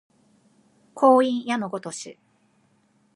光陰矢のごとし